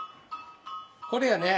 これやね？